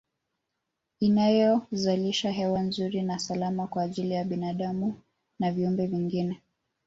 Inayozalisha hewa nzuri na salama kwa ajili ya binadamu na viumbe vingine